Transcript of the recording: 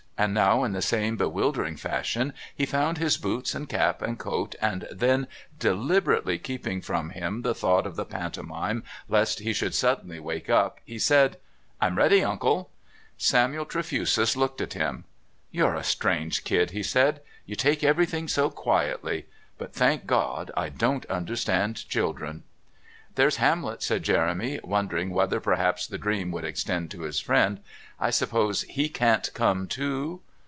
And now in the same bewildering fashion he found his boots and cap and coat and then, deliberately keeping from him the thought of the Pantomime lest he should suddenly wake up, he said: "I'm ready, Uncle." Samuel Trefusia looked at him. "You're a strange kid," he said; "you take everything so quietly but, thank God, I don't understand children." "There's Hamlet," said Jeremy, wondering whether perhaps the dream would extend to his friend. "I suppose he can't come too."